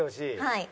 はい。